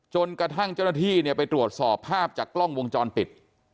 จนกระทั่งเจ้าหน้าที่ไปตรวจสอบภาพจากกล้องวงจรปิด